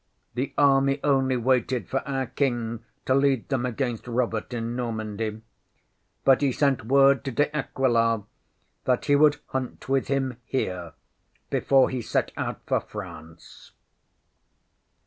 The army only waited for our King to lead them against Robert in Normandy, but he sent word to De Aquila that he would hunt with him here before he set out for France.